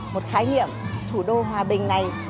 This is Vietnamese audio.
một khái niệm thủ đô hòa bình này